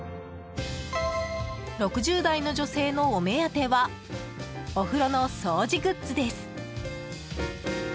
６０代の女性のお目当てはお風呂の掃除グッズです。